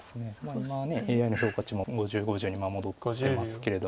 今はＡＩの評価値も５０５０に戻ってますけれども。